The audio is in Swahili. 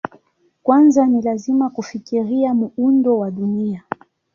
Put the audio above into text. Kwanza ni lazima kufikiria muundo wa Dunia.